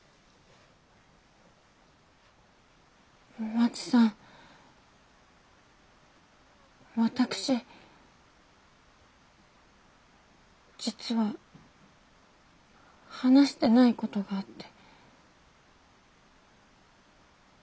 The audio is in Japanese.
まちさん私実は話してないことがあって。